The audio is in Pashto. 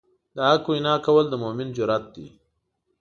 د حق وینا کول د مؤمن جرئت دی.